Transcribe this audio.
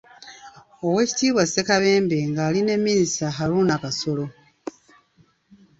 Oweekitiibwa Ssekabembe nga ali ne minisita Haruna Kasolo.